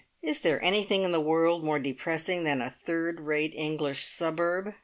Is there anything in the world more depressing than a third rate English suburb?